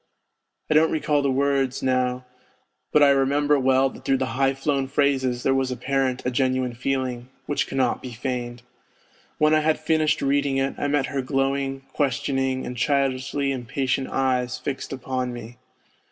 I don't recall the words now, but I remember well that through the high flown phrases there was apparent a genuine feeling, which cannot be feigned. When I had finished reading it I met her glowing, questioning, and childishly impatient eyes fixed upon me.